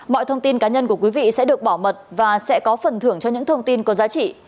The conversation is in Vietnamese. mọi thông tin cá nhân của quý vị sẽ được bảo mật và sẽ có phần thưởng cho những thông tin có giá trị